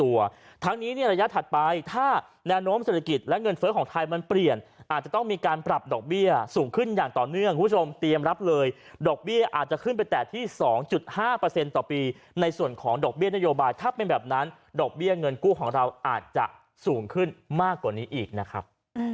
ว่าในอนมเศรษฐกิจวับ